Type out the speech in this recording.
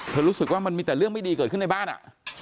รู้สึกว่ามันมีแต่เรื่องไม่ดีเกิดขึ้นในบ้านอ่ะ